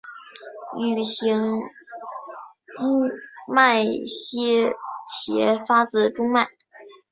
羽状脉斜发自中脉。